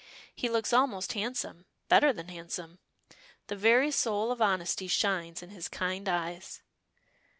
He looks almost handsome, better than handsome! The very soul of honesty shines, in his kind eyes.